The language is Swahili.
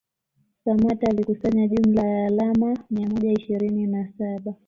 Samatta alikusanya jumla ya alama mia moja ishirini na saba